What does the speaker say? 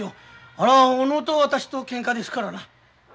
あれは小野と私とけんかですからな。